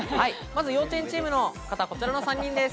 まず幼稚園チームの方、こちらの３人です。